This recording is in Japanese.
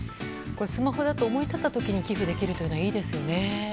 スマホだと思い立った時に寄付できるのはいいですよね。